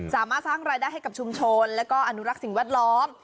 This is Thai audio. สร้างรายได้ให้กับชุมชนแล้วก็อนุรักษ์สิ่งแวดล้อม